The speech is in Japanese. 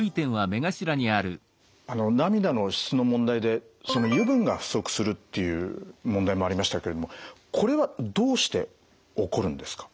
あの涙の質の問題で油分が不足するっていう問題もありましたけれどもこれはどうして起こるんですか？